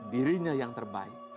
dirinya yang terbaik